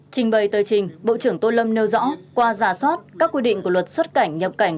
trình bày tờ trình bộ trưởng tô lâm nêu rõ qua giả soát các quy định của luật xuất cảnh nhập cảnh